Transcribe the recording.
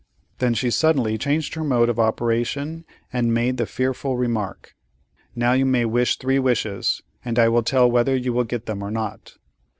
Then she suddenly changed her mode of operation and made the fearful remark: "Now you may wish three wishes, and I will tell whether you will get them or not."